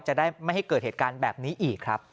จะได้ไม่ให้เกิดเหตุการณ์แบบนี้อีกครับ